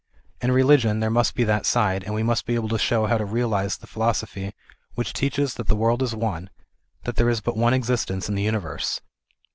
In religion there must be that side, and we must be able to show how to realize the philosophy which teaches that this world is one, that there is but one existence in the universe.